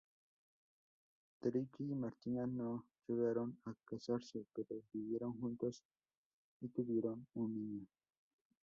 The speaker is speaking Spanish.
Tricky y Martina no llegaron a casarse, pero vivieron juntos y tuvieron un niño.